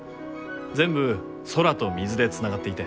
全部空と水でつながっていて。